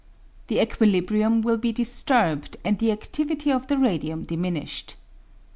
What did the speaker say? The equilibrium will be disturbed, and the adtivity of the radium diminished.